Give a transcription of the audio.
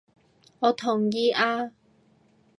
我同意啊！